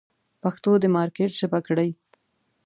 پښتو د مارکېټ ژبه کړئ.